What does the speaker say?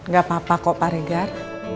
gak apa apa kok pak regar